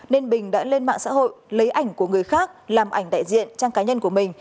nên bình đã lên mạng xã hội lấy ảnh của người khác làm ảnh đại diện trang cá nhân của mình